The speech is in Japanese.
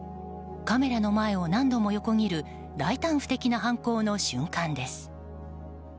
カメラの前を何度も横切る大胆不敵な犯行の瞬間です。